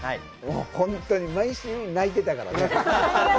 本当に毎週泣いてたからね。